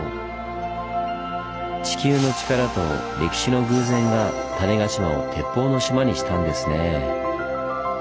地球のチカラと歴史の偶然が種子島を鉄砲の島にしたんですねぇ。